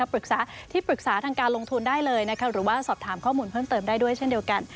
ปรึกษาที่ปรึกษาทางการลงทุนได้เลยนะคะหรือว่าสอบถามข้อมูลเพิ่มเติมได้ด้วยเช่นเดียวกัน